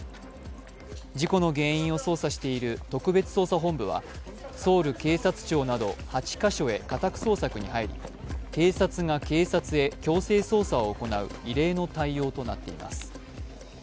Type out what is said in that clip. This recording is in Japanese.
事故の原因を捜査している特別捜査本部はソウル警察庁など８か所へ家宅捜索に入り警察が警察へ強制捜査を行う異例の対応となっています。